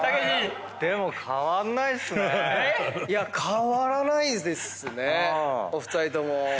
変わらないですねお二人とも。